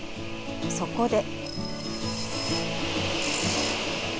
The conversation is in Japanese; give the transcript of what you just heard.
そこで。